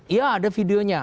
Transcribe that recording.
iya ada videonya